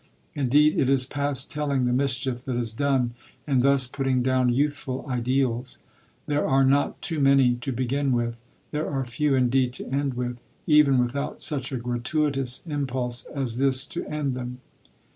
Indeed it is past telling the mischief that is done in thus putting down youthful ideals. There are not too many to begin with. There are few indeed to end with even without such a gratuitous impulse as this to end them."